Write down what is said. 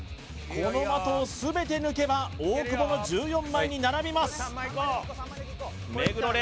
この的を全て抜けば大久保の１４枚に並びます目黒蓮